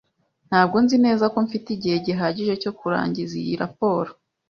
Ntabwo nzi neza ko mfite igihe gihagije cyo kurangiza iyi raporo.